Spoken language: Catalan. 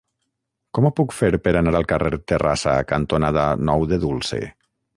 Com ho puc fer per anar al carrer Terrassa cantonada Nou de Dulce?